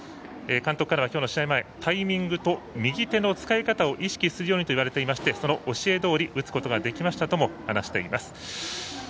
監督からはきょうの試合前タイミングと右手の使い方を意識するようにと言われていましてその教えどおり打つことができましたとも話しています